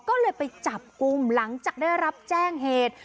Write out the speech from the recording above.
ก็เลยไปจับกลุ่มหลังจากได้รับแจ้งเหตุ